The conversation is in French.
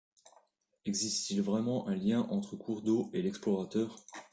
Existe-t-il vraiment un lien entre le cours d'eau et l'explorateur?